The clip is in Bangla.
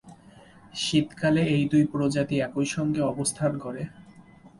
শীতকালে এই দুই প্রজাতি একই সংগে অবস্থান করে।